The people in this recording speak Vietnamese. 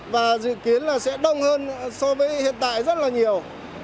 và dự kiến là sẽ đông hơn so với hiện tại rất là nhiều